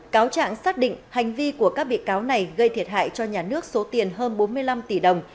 cáo trạng xác định hành vi của các bị cáo này gây thiệt hại cho nhà nước số tiền hơn bốn mươi năm tỷ đồng